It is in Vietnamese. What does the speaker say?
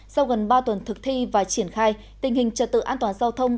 sau gần ba tuần thực thi và triển khai tình hình trật tự an toàn giao thông